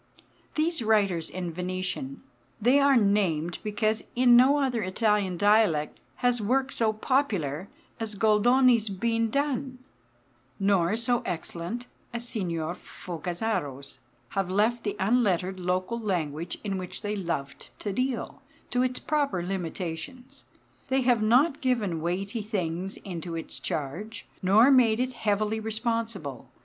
These writers in Venetian they are named because in no other Italian dialect has work so popular as Goldoni's been done, nor so excellent as Signor Fogazzaro's have left the unlettered local language in which they loved to deal, to its proper limitations. They have not given weighty things into its charge, nor made it heavily responsible.